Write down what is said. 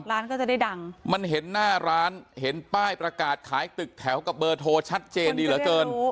ร้านก็จะได้ดังมันเห็นหน้าร้านเห็นป้ายประกาศขายตึกแถวกับเบอร์โทรชัดเจนดีเหลือเกิน